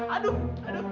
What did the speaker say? aduh aduh suster